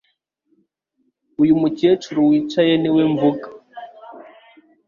Uyu mukecuru wicaye niwe mvuga